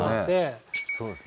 そうですね。